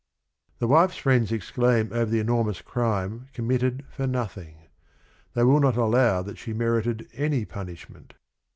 The wife's friends exclaim over the enormous crime committed for nothing. They will not allow that she merited any punishment.